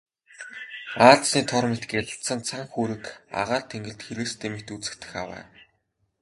Аалзны тор мэт гялалзсан цан хүүрэг агаар тэнгэрт хэрээстэй мэт үзэгдэх авай.